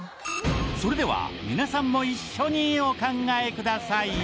それでは皆さんも一緒にお考えください